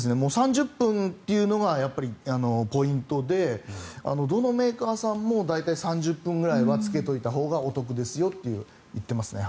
３０分というのがポイントでどのメーカーさんも大体３０分ぐらいはつけておいたほうがお得ですよと言っていますね。